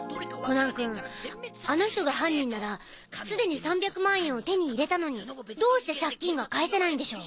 コナン君あの人が犯人ならすでに３００万円を手に入れたのにどうして借金が返せないんでしょう？